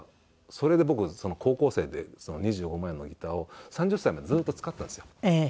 それで僕高校生でその２５万円のギターを３０歳までずっと使ってたんですよ。